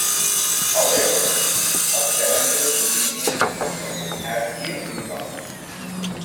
However, a standard linear system has yet to emerge.